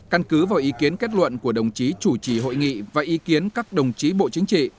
căn cứ vào ý kiến kết luận của đồng chí chủ trì hội nghị và ý kiến các đồng chí bộ chính trị